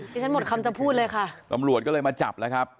ที่ฉันหมดคำจะพูดเลยค่ะตำรวจก็เลยมาจับแล้วครับ